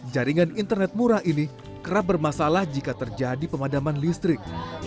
jaringan internet murah ini kerap bermasalah jika terjadi pemadaman listrik